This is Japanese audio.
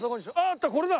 あったこれだ！